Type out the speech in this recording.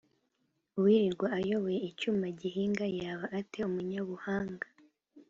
Uwirirwa ayoboye icyuma gihinga yaba ate umunyabuhanga?